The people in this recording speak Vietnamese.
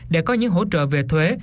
để có những hỗ trợ về thuế